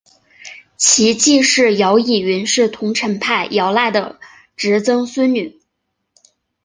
其继室姚倚云是桐城派姚鼐的侄曾孙女。